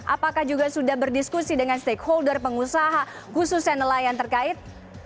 apakah juga sudah berdiskusi dengan stakeholder pengusaha khususnya nelayan terkait